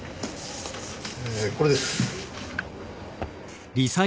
えーこれです。